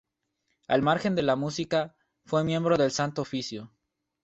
Al margen de la música, fue miembro del Santo Oficio.